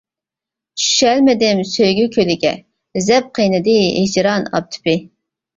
چۈشەلمىدىم سۆيگۈ كۆلىگە، زەپ قىينىدى ھىجران ئاپتىپى.